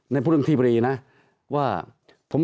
ตั้งแต่เริ่มมีเรื่องแล้ว